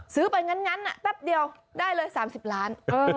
ซื้อไปงั้นแป๊บเดียวได้เลย๓๐ล้าน